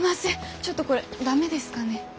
ちょっとこれ駄目ですかね。